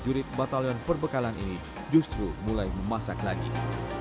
jika terjadi bezongsiyah dia jangan takut ouipin ala besar takut